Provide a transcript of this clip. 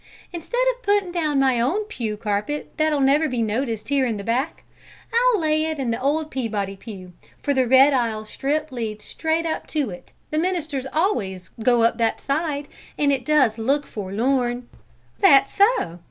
Instead of putting down my own pew carpet that'll never be noticed here in the back, I'll lay it in the old Peabody pew, for the red aisle strip leads straight up to it; the ministers always go up that side, and it does look forlorn." "That's so!